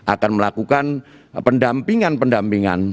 akan melakukan pendampingan pendampingan